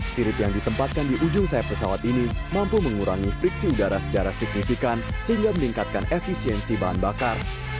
sirip yang ditempatkan di ujung sayap pesawat ini mampu mengurangi friksi udara secara signifikan sehingga meningkatkan efisiensi bahan bakar